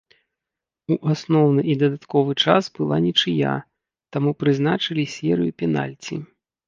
У асноўны і дадатковы час была нічыя, таму прызначылі серыю пенальці.